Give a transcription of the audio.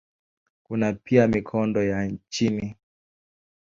Kuna pia mikondo ya chini.